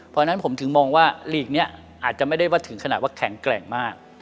เพราะฉะนั้นผมถึงมองว่าลีกนี้อาจจะไม่ได้ว่าถึงขนาดว่าแข็งแกร่งมาก